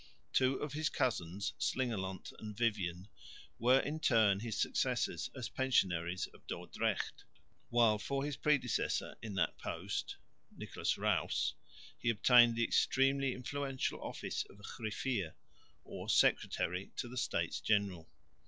Two of his cousins, Slingelandt and Vivien, were in turn his successors, as pensionaries of Dordrecht, while for his predecessor in that post, Nicolas Ruysch, he obtained the extremely influential office of griffier or secretary to the States General.